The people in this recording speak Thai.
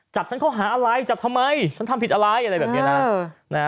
ฉันเขาหาอะไรจับทำไมฉันทำผิดอะไรอะไรแบบนี้นะ